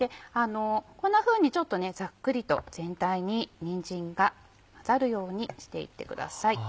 こんなふうにざっくりと全体ににんじんが混ざるようにして行ってください。